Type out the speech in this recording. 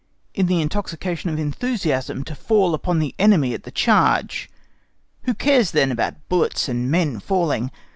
In the intoxication of enthusiasm, to fall upon the enemy at the charge—who cares then about bullets and men falling?